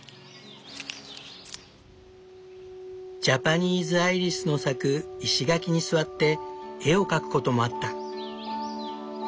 ジャパニーズアイリスの咲く石垣に座って絵を描くこともあった。